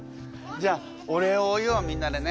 じゃあお礼を言おうみんなでね。